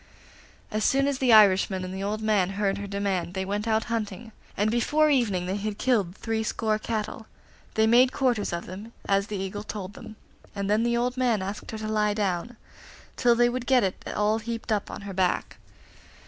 As soon as the Irishman and the old man heard her demand they went out hunting, and before evening they had killed three score cattle. They made quarters of them, as the Eagle told them, and then the old man asked her to lie down, till they would get it all heaped up on her back.